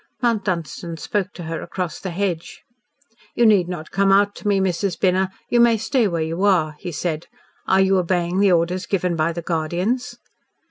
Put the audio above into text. Mount Dunstan spoke to her across the hedge. "You need not come out to me, Mrs. Binner. You may stay where you are," he said. "Are you obeying the orders given by the Guardians?"